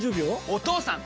お義父さん！